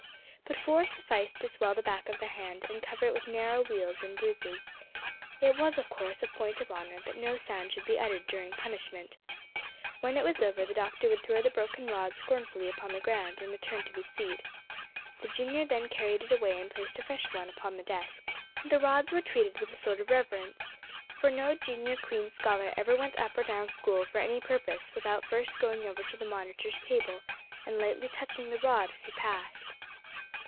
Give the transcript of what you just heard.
But four sufficed to swell the back of the hand, and cover it with narrow weals and bruises. It was of course a point of honour that no sound should be uttered during punishment. When it was over the Doctor would throw the broken rod scornfully upon the ground and return to his seat. The Junior then carried it away and placed a fresh one upon the desk. The rods were treated with a sort of reverence, for no Junior Queen's Scholar ever went up or down school for any purpose without first going over to the monitor's table and lightly touching the rod as he passed.